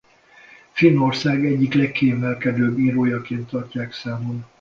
Finnország egyik legkiemelkedőbb írójaként tartják számon.